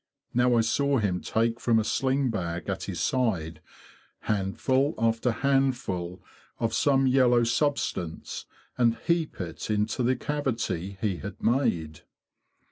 Now I saw him take from a sling bag at his side handful after handful of some yellow substance and heap it into the cavity he had made.